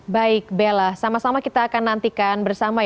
baik bella sama sama kita akan nantikan bersama